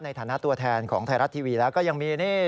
ในฐานะตัวแทนของไทยรัฐทีวีแล้วก็ยังมีนี่